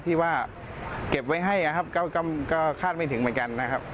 ที่ว่าเก็บไว้ให้นะครับก็คาดไม่ถึงเหมือนกันนะครับ